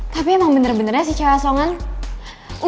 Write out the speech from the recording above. tapi emang bener benernya si cewek asongan kerja di kantin kampus